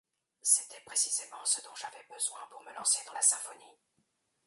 C'était précisément ce dont j'avais besoin pour me lancer dans la Symphonie.